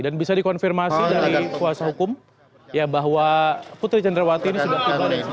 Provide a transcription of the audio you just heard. dan bisa dikonfirmasi dari kuasa hukum ya bahwa putri cendrawati ini sudah tiba